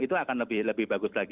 itu akan lebih bagus lagi